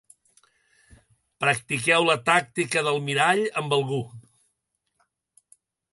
Practiqueu la tàctica del mirall amb algú.